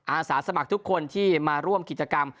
อาสาสมัครทุกคนที่มาร่วมกิจกรรม